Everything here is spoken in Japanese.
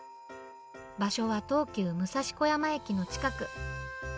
場所は東急武蔵小山駅の近く。